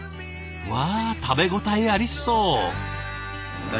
わあ食べ応えありそう。